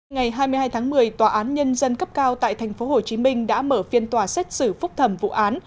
ngày hai mươi hai tháng một mươi tòa án nhân dân cấp cao tại tp hcm đã mở phiên tòa xét xử phúc thẩm vụ án